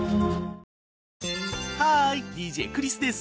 ハーイＤＪクリスです。